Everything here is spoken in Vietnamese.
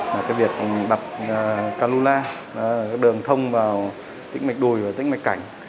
là cái việc bật calula là cái đường thông vào tích mạch đùi và tích mạch cảnh